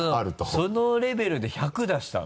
そのレベルで１００出したの？